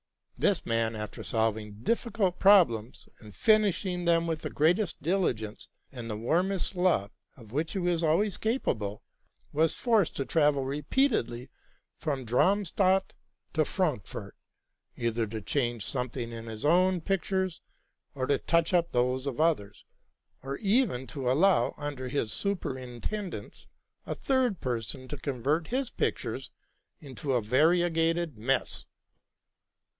This man, after solving difficult problems, and finishing them with the greatest diligence and the warmest love, of which he was alw ays capable, was forced to travel repeatedly from Darmstadt to Frankfort, either to change something in his own pictures, or to touch up those of others, or even to allow, under his superintendence, a third person to convert his pictures into a variegated mess.